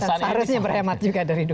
seharusnya berhemat juga dari dulu